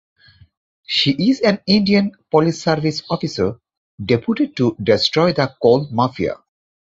She is an Indian Police Service officer deputed to destroy the coal mafia.